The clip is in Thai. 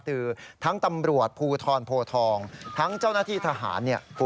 คือทั้งตำรวจภูทรโพทองทั้งเจ้าหน้าที่ทหารเนี่ย